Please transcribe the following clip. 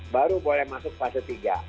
baru boleh masuk fase tiga